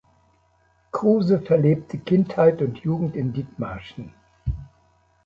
Kruse verlebte Kindheit und Jugend in Dithmarschen.